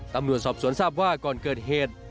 ตำรวจสอบสวนทราบว่าก่อนเกิดเหตุ